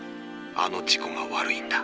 あの事故が悪いんだ。